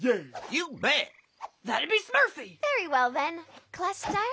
はい！